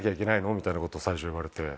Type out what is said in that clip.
みたいなこと最初に言われて。